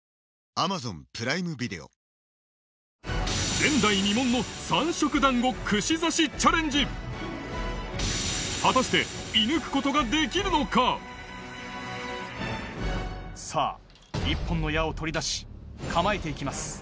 前代未聞の３色団子串刺しチャレンジ果たしてさぁ１本の矢を取り出し構えて行きます。